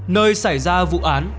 nơi xảy ra vụ án